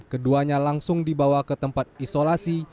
keduanya langsung dibawa ke tempat isolasi